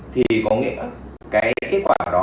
thì có nghĩa là cái kết quả đó